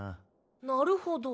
なるほど。